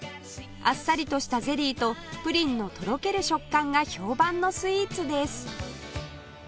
あっさりとしたゼリーとプリンのとろける食感が評判のスイーツです